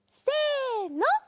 せの。